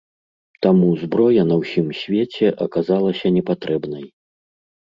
Таму зброя на ўсім свеце аказалася непатрэбнай.